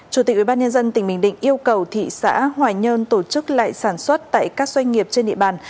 chủ tịch ubnd tỉnh bình định yêu cầu thị xã hoài nhơn tổ chức lại sản xuất tại các doanh nghiệp trên địa bàn